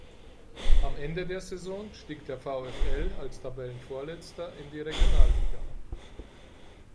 Am Ende der Saison stieg der VfL als Tabellenvorletzter in die Regionalliga ab.